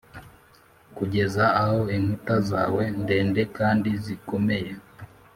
kugeza aho inkuta zawe ndende kandi zikomeye